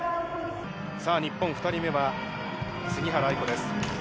さあ日本、２人目は、杉原愛子です。